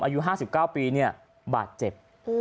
อายุ๕๙ปีบาดเจ็บ